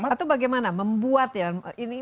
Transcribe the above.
atau bagaimana membuat ya ini